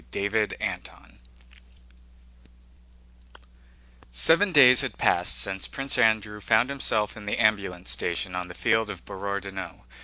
CHAPTER XXXII Seven days had passed since Prince Andrew found himself in the ambulance station on the field of Borodinó.